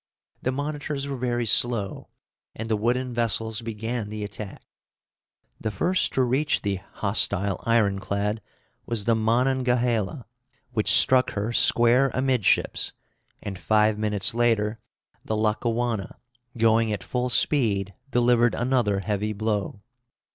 The monitors were very slow, and the wooden vessels began the attack. The first to reach the hostile ironclad was the Monongahela, which struck her square amidships; and five minutes later the Lackawanna, going at full speed, delivered another heavy blow.